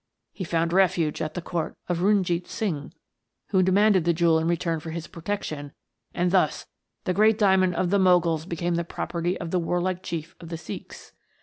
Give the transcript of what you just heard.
He found refuge at the court of Runjeet Singh, who demanded the jewel in return for his protection, and thus the great diamond of the Moguls became the property of the warlike chief of the Sikhs.